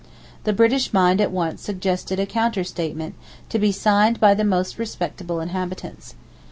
The British mind at once suggested a counter statement, to be signed by the most respectable inhabitants.